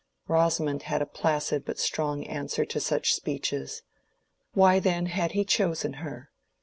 Rosamond had a placid but strong answer to such speeches. Why then had he chosen her?